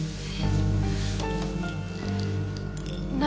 何？